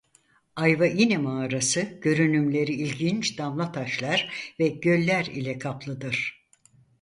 Ayvaini Mağarası görünümleri ilginç damlataşlar ve göller ile kaplıdır.